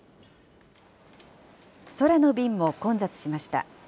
空の便も混雑しました。